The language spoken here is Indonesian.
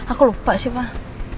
aku lupa sih pak